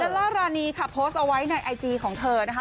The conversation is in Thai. ล่ารานีค่ะโพสต์เอาไว้ในไอจีของเธอนะคะ